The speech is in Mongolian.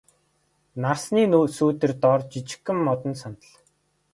Нарсны сүүдэр дор жижигхэн модон сандал.